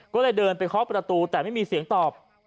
ก็เลยเดินไปเคาะประตูแต่ไม่มีเสียงตอบ